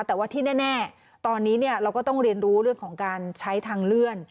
แต่ว่าที่แน่ตอนนี้เราก็ต้องเรียนรู้เรื่องของการใช้ทางเลื่อน